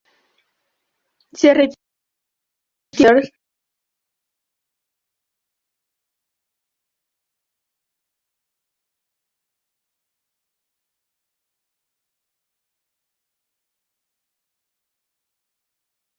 Se retiró tras los Juegos de Tokio y se convirtió en entrenador de natación.